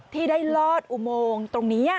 ที่ได้ลอดอุโมงตรงนี้